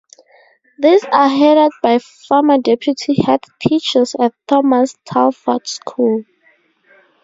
These are headed by former Deputy Headteachers at Thomas Telford School.